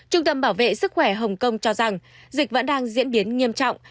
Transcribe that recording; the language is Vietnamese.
trung tâm bảo vệ sức khỏe hồng kông cho rằng dịch vẫn đang diễn biến nghiêm trọng